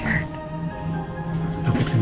apa yang ditakutin